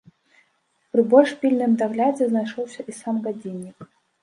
Пры больш пільным даглядзе знайшоўся і сам гадзіннік.